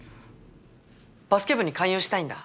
バスケ部に勧誘したいんだ。